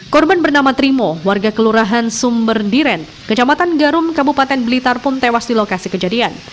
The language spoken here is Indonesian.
korban bernama trimo warga kelurahan sumber diren kecamatan garum kabupaten blitar pun tewas di lokasi kejadian